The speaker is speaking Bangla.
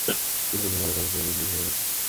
অনেকক্ষন ধরে ওরা গাড়িতে বন্দী হয়ে আছে।